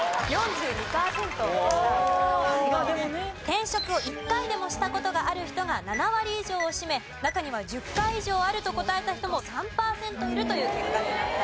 転職を１回でもした事がある人が７割以上を占め中には１０回以上あると答えた人も３パーセントいるという結果になったようです。